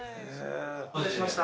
お待たせしました